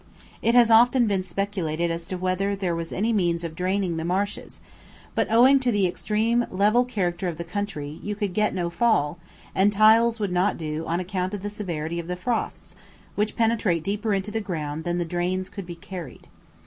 It has often been speculated as to whether there was any means of draining the marshes, but, owing to the extreme level character of the country, you could get no fall, and tiles would not do on account of the severity of the frosts, which penetrate deeper into the ground than the drains could be carried.